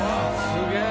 すげえ！